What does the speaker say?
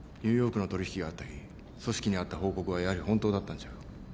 ニューヨークの取引があった日組織にあった報告はやはり本当だったんじゃ？